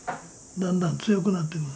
だんだん強くなってくる。